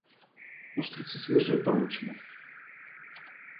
Устрицы свежие получены.